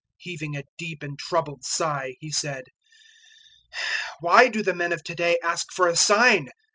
008:012 Heaving a deep and troubled sigh, He said, "Why do the men of to day ask for a sign?